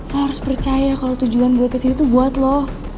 lo harus percaya kalo tujuan gue kesini tuh buat lo